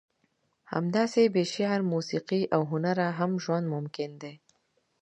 همداسې بې شعر، موسیقي او هنره هم ژوند ممکن دی.